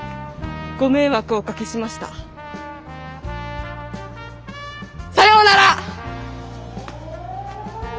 ご迷惑をおかけしました。さようなら！